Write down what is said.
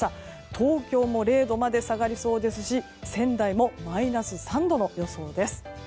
東京も０度まで下がりそうですし仙台もマイナス３度の予想です。